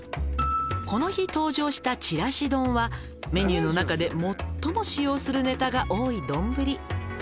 「この日登場したちらし丼はメニューの中で最も使用するネタが多い丼」